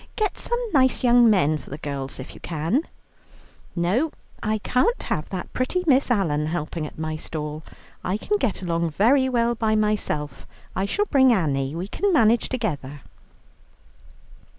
Get some nice young men for the girls, if you can." "No, I can't have that pretty Miss Allan helping at my stall, I can get along very well by myself. I shall bring Annie; we can manage together."